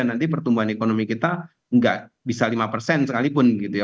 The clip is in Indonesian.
nanti pertumbuhan ekonomi kita nggak bisa lima persen sekalipun gitu ya